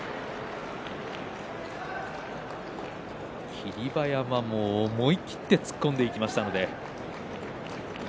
霧馬山も思い切って突っ込んでいきましたのでい